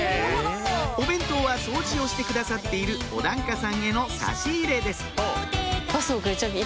お弁当は掃除をしてくださっているお檀家さんへの差し入れです